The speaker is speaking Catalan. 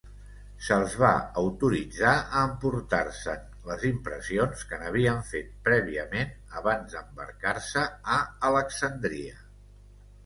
Se'ls va autoritzar a emportar-se'n les impressions que n'havien fet prèviament abans d'embarcar-se a Alexandria.